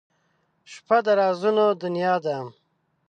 • شپه د رازونو دنیا ده.